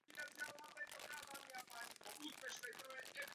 Je známým střediskem rekreace a zimních sportů a lázeňství.